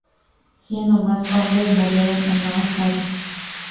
Cien o más hombres murieron en la batalla.